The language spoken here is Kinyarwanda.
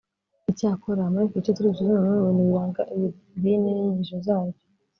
icyakora, muri iki gice turi busuzume bimwe mu bintu biranga iryo dini n’inyigisho zaryo.